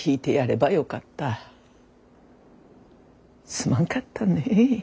すまんかったね。